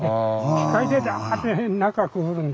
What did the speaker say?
機械でダーッて中くぐるんで。